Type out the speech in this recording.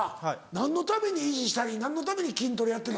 何のために維持したり何のために筋トレやってんの？